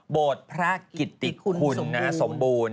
โบสถ์พระกิติคุณสมบูรณ์